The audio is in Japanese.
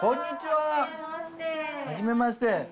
はじめまして。